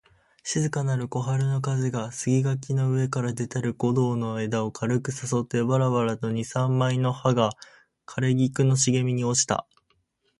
静かなる小春の風が、杉垣の上から出たる梧桐の枝を軽く誘ってばらばらと二三枚の葉が枯菊の茂みに落ちた